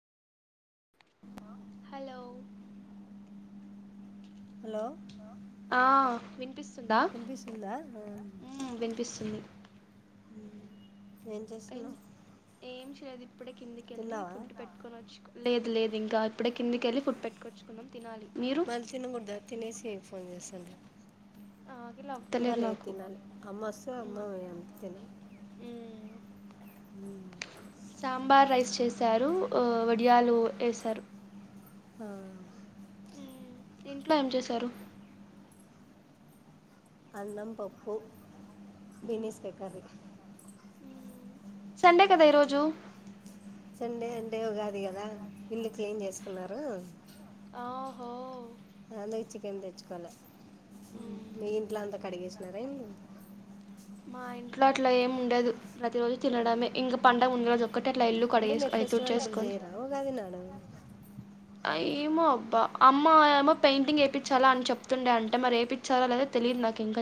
Hello hello ఆ వినిపిస్ స్తుందా వినిపిస్తుందా ఆ, వినిపిస్తుంది ఏం అ చేస్తున్నావు ఏం చేేది కిందికెళ్ళి తిన్నావా ఫుడ్ పెట్టుకొని వచ్చు లేదు లేదు ఇంకా కిందకి వెళ్ళి ఫుడ్ పెట్టుకొని వచ్చుకునాం తినాలి మీరు? మళ్ళ తిినకదా తినేసి ఫోన్ చేస్తాను ఆకలి ఇంకా అవ్వట్లేదు లేదు నాకు తినాలి అమ్మా వస్తే అమ్మే ఎంత తినాల మ్మ్ సాంబార్ రైస్ చేసి వారు వడియాలు వేసారు ఆ ఇంట్లో ఏం చేశారు అన్నం పప్పు ఉమ్ బిన్నిస్ కాయ కర్రీ ఉమ్ సండే కదా ఈరోజు సండే అంటే ఉగాది కదా ఇల్లు క్లీన్ చేసుకున్నారు ఆహో అదే చికెన్ తెచ్చుకోలే మీ మ్మ్ ఇంట్లాంత కడిగి నరేంద్ మా ఇంట్లో అట్లా ఏమి ఉండదు ప్రతి రోజు తినడమే ఇంక పడుగ ముంగ రోజు ఒక్క అంటే మీరు ఫెస్టివల్ ఒకరు చేయరా ఓగాది నాడ ఆ ఏమో అబ్బా అమ్మ ఏమో పెయింటింగ్ ఏపిచ్చాలా అని చెప్తుండే అంటే మరి ఏపిచ్చాలా లేదా తెలియదు నాకు ఇంకా